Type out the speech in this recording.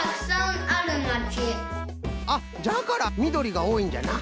あっじゃからみどりがおおいんじゃな。